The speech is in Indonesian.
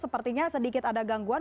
sepertinya sedikit ada gangguan